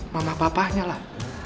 mama papahnya lah